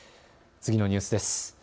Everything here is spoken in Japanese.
次のニュースです。